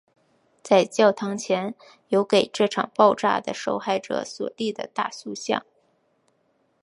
在教堂前有给这场爆炸的受害者所立的大塑像。